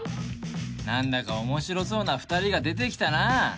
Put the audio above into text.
何だか面白そうな２人が出てきたな